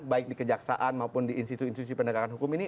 baik di kejaksaan maupun di institusi institusi pendekatan hukum ini